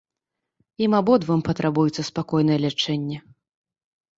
Ім абодвум патрабуецца спакойнае лячэнне.